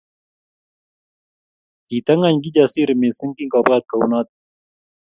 Kitangany Kijasiri missing kingobwat kounoto